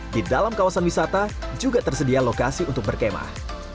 di dalam kawasan wisata juga tersedia lokasi untuk berkemah